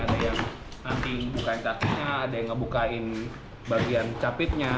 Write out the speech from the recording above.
ada yang nanti bukain kakinya ada yang ngebukain bagian capitnya